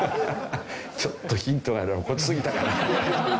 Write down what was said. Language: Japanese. ちょっとヒントが露骨すぎたかな。